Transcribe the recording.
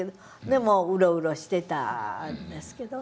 でもウロウロしてたんですけど。